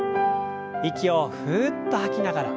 息をふっと吐きながら。